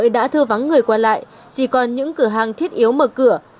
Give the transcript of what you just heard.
người đã thư vắng người quan lại chỉ còn những cửa hàng thiết yếu mở cửa